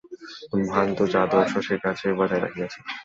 ভান তো যাদব শশীর কাছেও বজায় রাখিয়াছে।